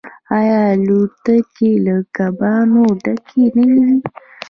آیا الوتکې له کبانو ډکې نه ځي؟